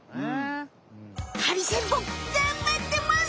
ハリセンボンがんばってます！